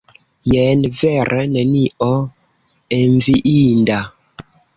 Jen vere nenio enviinda!